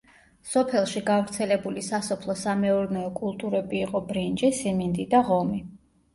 სოფელში გავრცელებული სასოფლო-სამეურნეო კულტურები იყო ბრინჯი, სიმინდი და ღომი.